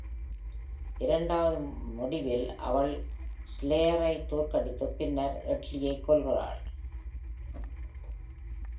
இரண்டாவது முடிவில், அவள் ஸ்லேயரை தோற்கடித்து, பின்னர் எட்டியைக் கொல்கிறாள்.